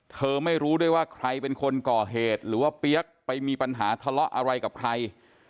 ไม่รู้ด้วยว่าใครเป็นคนก่อเหตุหรือว่าเปี๊ยกไปมีปัญหาทะเลาะอะไรกับใคร